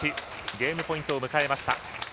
ゲームポイントを迎えました。